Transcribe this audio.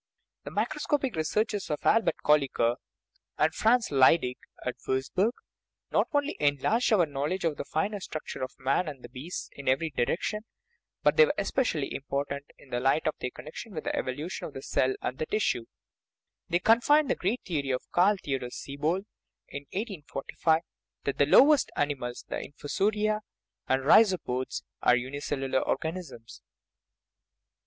The microscopic researches of Albert Kolliker and Franz Leydig (at Wurzburg) not only enlarged our knowledge of the finer structure of man and the beasts in every direction, but they were especially important in the light of their connection with the evolution of the cell and the tissue ; they confirmed the great theory of Carl Theodor Siebold (1845) that the lowest animals, the Infusoria and the Rhizopods, are unicellular or ganisms.